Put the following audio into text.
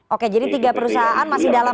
oke jadi tiga perusahaan masih dalam